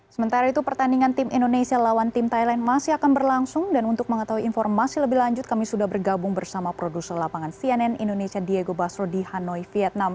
sementara itu pertandingan tim indonesia lawan tim thailand masih akan berlangsung dan untuk mengetahui informasi lebih lanjut kami sudah bergabung bersama produser lapangan cnn indonesia diego basro di hanoi vietnam